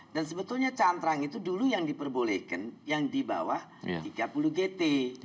dan sebetulnya cantrang itu dulu yang diperbolehkan yang di bawah tiga puluh gt